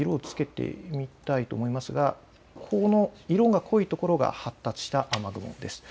ちょっと色をつけてみたいと思いますが色が濃い所が発達した雨雲です。